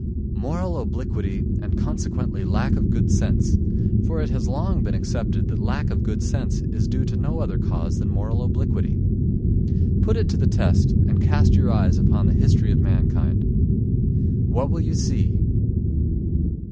Moral obliquity and consequently lack of good sense; for it has long been accepted that lack of good sense is due to no other cause than moral obliquity. Put it to the test and cast your eyes upon the history of mankind. What will you see?